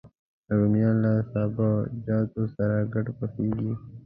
رومیان له سابهجاتو سره ګډ پخېږي